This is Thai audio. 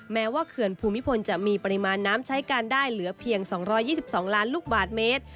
แม้ว่าเขื่อนภูมิพลจะมีปริมาณน้ำใช้การได้เหลือเพียง๒๒ล้านลูกบาทเมตร